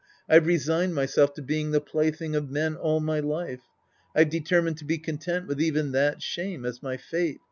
I've resigDedjnyself to being the plaything of men all my life. I've determined to be content with even that shame as my fate.